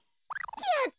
やった！